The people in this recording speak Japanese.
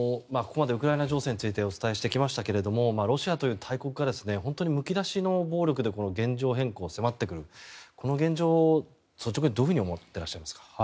ここまでウクライナ情勢についてお伝えしてきましたがロシアという大国が本当にむき出しの暴力で現状変更を迫ってくるこの現状を率直にどう思っていらっしゃいますか？